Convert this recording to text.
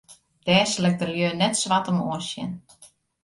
Dêr sil ik de lju net swart om oansjen.